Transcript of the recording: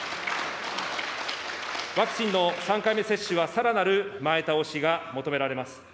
ワクチンの３回目接種はさらなる前倒しが求められます。